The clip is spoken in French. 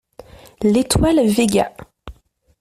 L’étoile Véga.